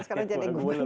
sekarang jadi gubernur